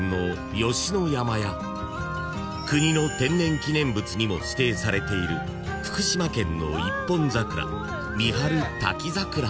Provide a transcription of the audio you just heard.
［国の天然記念物にも指定されている福島県の一本桜］